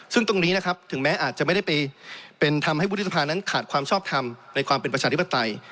ซึ่งตรงนี้นะครับถึงแม้อาจจะไม่ได้ไปเป็นทำให้วุฒิสภานั้นขาดความชอบทำในความเป็นประชาธิปไตย